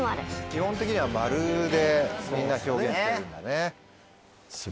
基本的には丸でみんな表現してるんだね。